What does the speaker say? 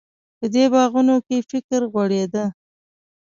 په دې باغونو کې فکر غوړېده.